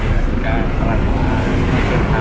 kita akan berhasil melakukan